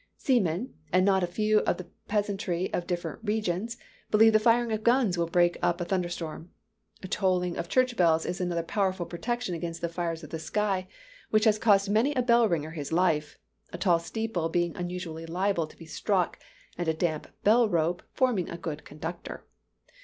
Seamen, and not a few of the peasantry of different regions, believe the firing of guns will break up a thunder storm. Tolling of church bells is another powerful protection against the fires of the sky, which has cost many a bell ringer his life; a tall steeple being unusually liable to be struck, and a damp bell rope forming a good conductor.